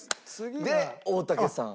で大竹さん。